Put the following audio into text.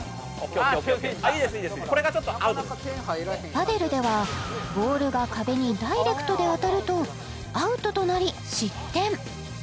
パデルではボールが壁にダイレクトで当たるとアウトとなり失点